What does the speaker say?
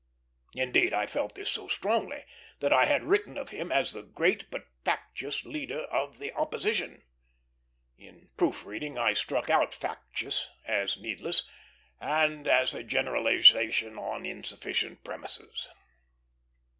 Indeed, I felt this so strongly that I had written of him as "the great, but factious, leader of the opposition." In proofreading I struck out "factious;" as needless, and as a generalization on insufficient premises.